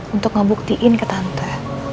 untuk ngebuktiin ke tante